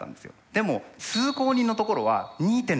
でも「通行人」のところは２．６％。